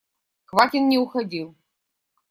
Квакин не уходил.